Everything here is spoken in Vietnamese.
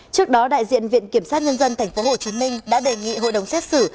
trước đó đại diện viện kiểm sát nhân dân tp hcm đã đề nghị hội đồng xét xử